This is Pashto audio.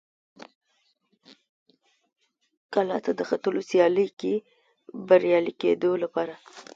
کلا ته د ختلو سیالۍ کې بریالي کېدو لپاره.